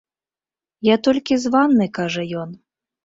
Я толькі з ванны, кажа ён.